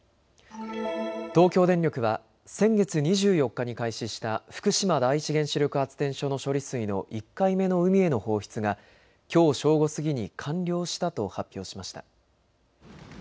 東京電力は先月２４日に開始した福島第一原子力発電所の処理水の１回目の海への放出がきょう正午過ぎに完了したと発表しました。